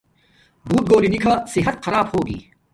بوت گھولی نی کھا صحت خرب ہوگی